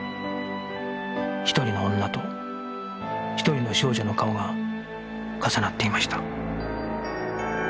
１人の女と１人の少女の顔が重なっていました